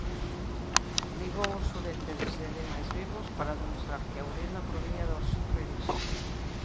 Ligou os uréteres de animais vivos para demostrar que a urina proviña dos riles.